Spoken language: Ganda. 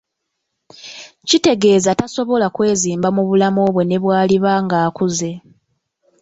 Kitegeeza tasobola kwezimba mu bulamu bwe nebwaliba ng'akuze.